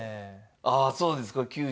ああそうですか。